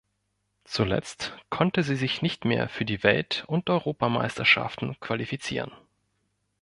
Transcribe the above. Zuletzt konnte sie sich nicht mehr für die Welt- und Europameisterschaften qualifizieren.